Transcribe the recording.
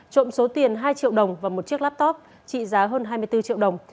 trộm số tiền hai triệu đồng và một chiếc laptop trị giá hơn hai mươi bốn triệu đồng